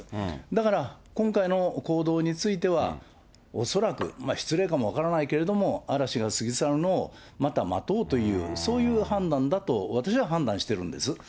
だから、今回の行動については、恐らく、失礼かも分からないけど、嵐が過ぎ去るのをまた待とうという、そういう判断だと、私は判断してるんです。